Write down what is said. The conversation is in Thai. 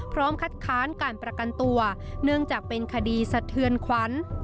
พร้อมคัดค้านการประกันตัวเนื่องจากเป็นคดีสะเทือนขวัญ